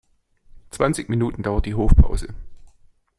Zwanzig Minuten dauert die Hofpause.